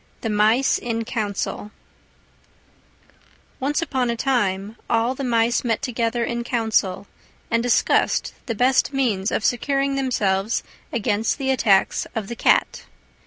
THE MICE IN COUNCIL Once upon a time all the Mice met together in Council, and discussed the best means of securing themselves against the attacks of the cat.